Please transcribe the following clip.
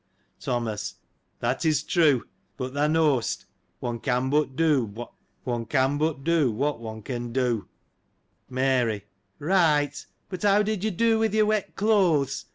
Thomas. — That is true ; but thou knowst, one can but do what one can do. Mary. — Eight : but how did you do with your wet clothes